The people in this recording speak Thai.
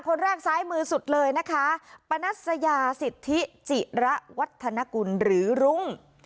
คนแรกซ้ายมือสุดเลยนะคะปนัสยาสิทธิจิระวัฒนกุลหรือรุ้ง